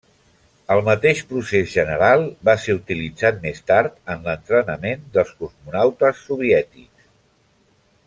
El mateix procés general va ser utilitzat més tard en l'entrenament dels cosmonautes soviètics.